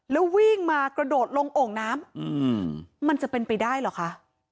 แล้ววิ่งมากระโดดลงโอ่งน้ำมันจะเป็นไปได้เหรอคะ